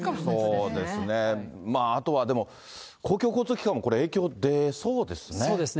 そうですね、あとは公共交通機関もこれ、影響出そうですね。